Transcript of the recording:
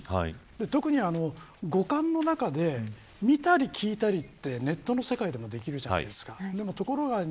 特に五感の中で見たり聞いたりってネットの世界でもできるじゃないですか。